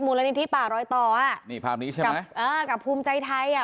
ละนิธิป่ารอยต่ออ่ะนี่ภาพนี้ใช่ไหมกับเออกับภูมิใจไทยอ่ะ